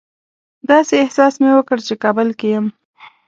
داسې احساس مې وکړ چې کابل کې یم.